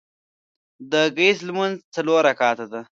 د ګهیځ لمونځ څلور رکعته ده